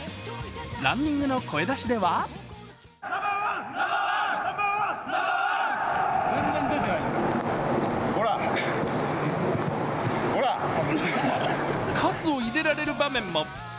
ランニングの声出しでは喝を入れられる場面も。